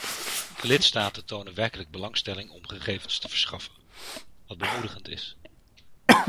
De lidstaten tonen werkelijk belangstelling om gegevens te verschaffen, wat bemoedigend is.